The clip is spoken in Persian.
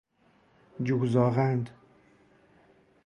جوزاغند